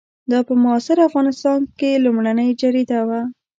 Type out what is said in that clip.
دا په معاصر افغانستان کې لومړنۍ جریده وه.